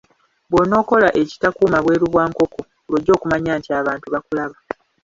Bw'onookola ekitakuuma bweru bwa nkoko, lw'ojja okumanya nti abantu bakulaba.